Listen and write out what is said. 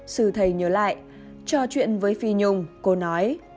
sư thầy nhớ lại trò chuyện với phi nhung cô nói